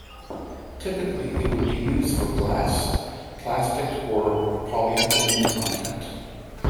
Typically, it would be used for glass, plastic or polyethylene content.